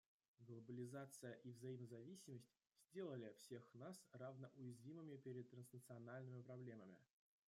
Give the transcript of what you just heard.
Глобализация и взаимозависимость сделали всех нас равно уязвимыми перед транснациональными проблемами.